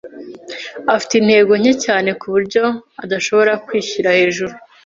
afite intege nke cyane kuburyo adashobora kwishyira hejuru.